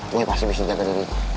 gue pasti bisa jaga diri